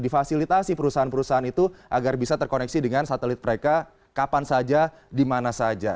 difasilitasi perusahaan perusahaan itu agar bisa terkoneksi dengan satelit mereka kapan saja di mana saja